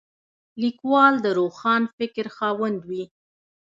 لیکوال د روښان فکر خاوند وي.